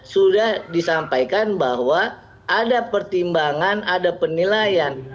sudah disampaikan bahwa ada pertimbangan ada penilaian